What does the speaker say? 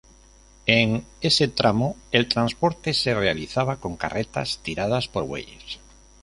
En ese tramo el transporte se realizaba con carretas tiradas por bueyes.